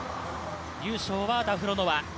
優勝はダフロノワ。